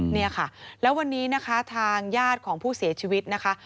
เนี่ยค่ะแล้ววันนี้นะคะทางญาติของผู้เสียชีวิตนะคะ